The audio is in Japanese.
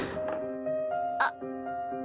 あっ。